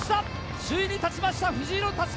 首位に立ちました、藤色の襷。